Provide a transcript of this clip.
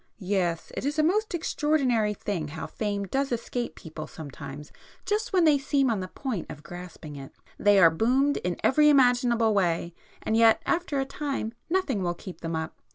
"Yes,—it is a most extraordinary thing how fame does escape people sometimes just when they seem on the point of grasping it. They are 'boomed' in every imaginable way, and yet after a time nothing will keep them up.